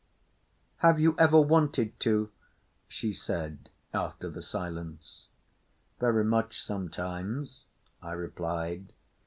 "Have you ever wanted to?" she said after the silence. "Very much sometimes," I replied.